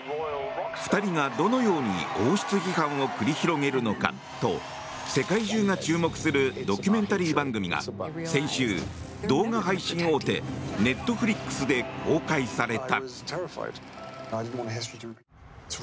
２人がどのように王室批判を繰り広げるのかと世界中が注目するドキュメンタリー番組が先週、動画配信大手Ｎｅｔｆｌｉｘで公開された。